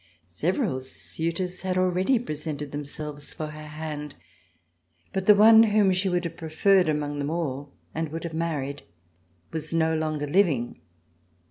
Several suitors had already presented themselves for her hand, but the one whom she would have preferred among them all and would have married was no longer living.